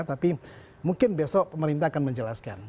tapi mungkin besok pemerintah akan menjelaskan